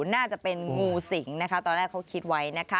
น่าจะเป็นงูสิงนะคะตอนแรกเขาคิดไว้นะคะ